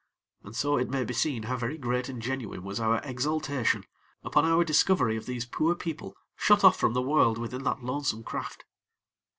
And so it may be seen how very great and genuine was our exaltation upon our discovery of these poor people shut off from the world within that lonesome craft.